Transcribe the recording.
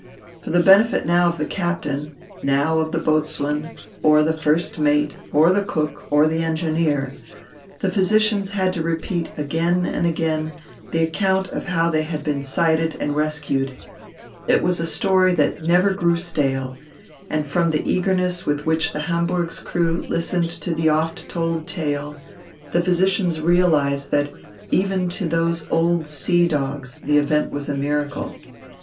For the benefit now of the captain, now of the boatswain, or the first mate, or the cook, or the engineer, the physicians had to repeat again and again the account of how they had been sighted and rescued. It was a story that never grew stale, and from the eagerness with which the Hamburg's crew listened to the oft told tale, the physicians realised that even to those old sea dogs the event was a miracle.